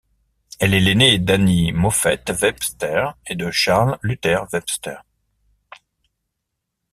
Elle est l'aînée d'Annie Moffet Webster et de Charles Luther Webster.